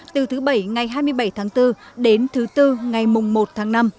từ thứ bảy ngày hai mươi bảy tháng bốn đến thứ bốn ngày mùng một tháng năm